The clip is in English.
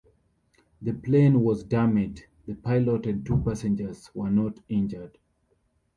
The plane was damaged; the pilot and two passengers were not injured.